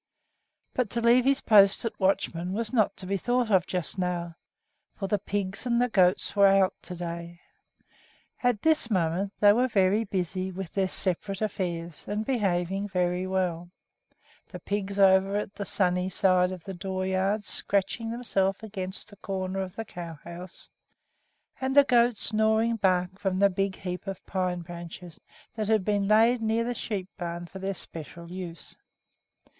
But to leave his post as watchman was not to be thought of just now, for the pigs and the goats were out to day. At this moment they were busy with their separate affairs and behaving very well, the pigs over on the sunny side of the dooryard scratching themselves against the corner of the cow house, and the goats gnawing bark from the big heap of pine branches that had been laid near the sheep barn for their special use.